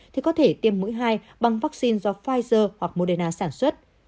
thì có thể tiêm mũi hai bằng vaccine do pfizer hoặc moderna sản xuất